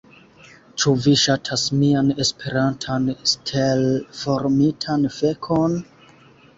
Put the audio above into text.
Ĉu vi ŝatas mian Esperantan stelformitan fekon?